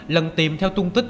lần tìm theo tung tích